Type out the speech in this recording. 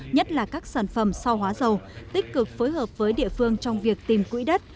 nhất là các sản phẩm so hóa dầu tích cực phối hợp với địa phương trong việc tìm quỹ đất